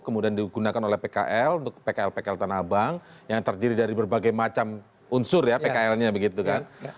kemudian digunakan oleh pkl untuk pkl pkl tanah abang yang terdiri dari berbagai macam unsur ya pkl nya begitu kan